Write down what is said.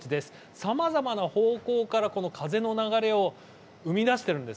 さまざまな方向から風の流れを生み出しているんです。